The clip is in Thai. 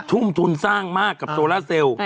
ทุ่มทุนสร้างมากกับโซล่าเซลล์